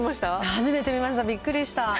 初めて見ました、びっくりした。